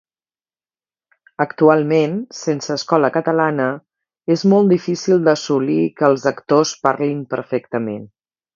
Actualment, sense escola catalana, és molt difícil d'assolir que els actors parlin perfectament.